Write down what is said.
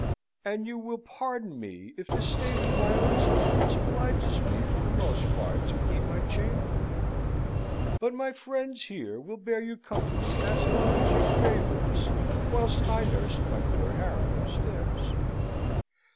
And you will pardon me if the state of my own spirits obliges me for the most part to keep my chamber. But my friends here will bear you company as long as you favour us, whilst I nurse my poor Harry upstairs.